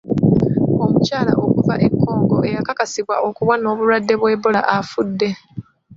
Omukyala okuva e Congo eyakakasibwa okuba n'obulwadde bwa Ebola afudde.